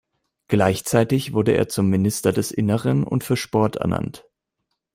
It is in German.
Gleichzeitig wurde er zum Minister des Innern und für Sport ernannt.